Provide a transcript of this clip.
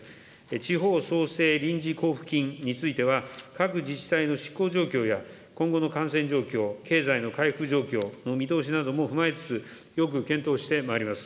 地方創生臨時交付金については、各自治体の執行状況や、今後の感染状況、経済の回復状況の見通しなども踏まえつつ、よく検討してまいります。